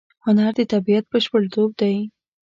هنر د طبیعت بشپړتوب دی.